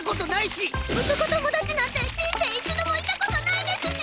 男友達なんて人生一度もいた事ないですし！